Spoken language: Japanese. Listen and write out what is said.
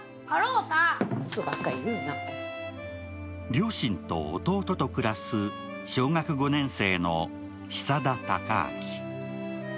両親と弟と暮らす小学５年生の久田孝明。